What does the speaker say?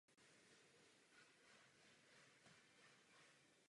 V databázi poslanců Říšské rady ovšem o předčasném ukončení mandátu není zmínka.